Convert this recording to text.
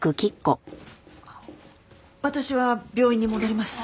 私は病院に戻ります。